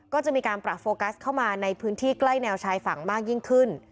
ก็จะมีการปรับโฟกัสเข้ามาในพื้นที่ใกล้แนวชายฝั่งมากยิ่งขึ้น